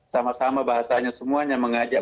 sama sama bahasanya semuanya mengajak